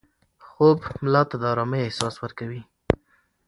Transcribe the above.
خوب ملا ته د ارامۍ احساس ورکوي.